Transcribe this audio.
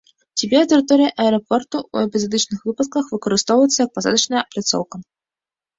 Цяпер тэрыторыя аэрапорту у эпізадычных выпадках выкарыстоўваецца як пасадачная пляцоўка.